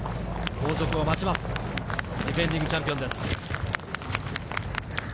後続を待ちます、ディフェンディングチャンピオンです。